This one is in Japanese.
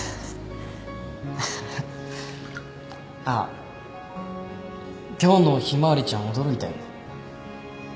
あっ今日の向日葵ちゃん驚いたよね。